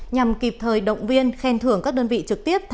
nhằm kịp thời động viên khen thưởng các đơn vị trực tiếp